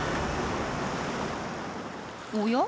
おや？